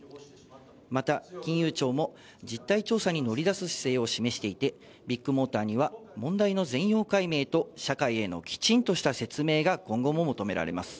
また金融庁も実態調査に乗り出す姿勢を示していて、ビッグモーターには問題の全容解明と社会へのきちんとした説明が今後も求められます。